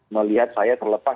melihat saya terlepas